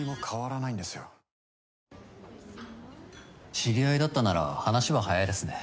知り合いだったなら話は早いですね。